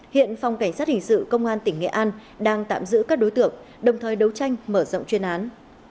hiện phòng cảnh sát hình sự công an tỉnh nghệ an đang tạm giữ các đối tượng đồng thời đấu tranh mở rộng chuyên án